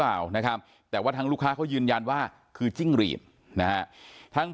เปล่านะครับแต่ว่าทางลูกค้าเขายืนยันว่าคือจิ้งหรีดนะฮะทั้ง